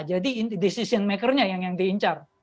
jadi pembuat keputusan yang diincar